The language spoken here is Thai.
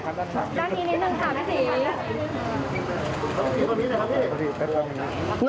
คำถือนะครับไม่หรือ